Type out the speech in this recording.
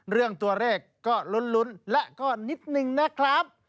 เรื่องตัวเลขก็ลุ้นและก็นิดนึงนะครับ